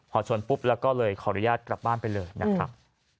พอชนปุ๊บแล้วก็เลยขออนุญาตกลับบ้านไปเลยนะครับ